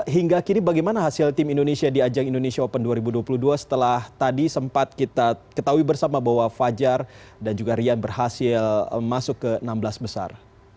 hingga kini bagaimana hasil tim indonesia di ajang indonesia open dua ribu dua puluh dua setelah tadi sempat kita ketahui bersama bahwa fajar dan juga rian berhasil masuk ke enam belas besar